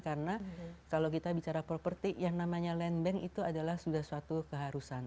karena kalau kita bicara property yang namanya land bank itu adalah sudah suatu keharusan